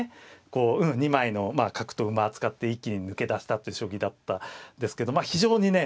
こう２枚の角と馬使って一気に抜け出したっていう将棋だったんですけど非常にね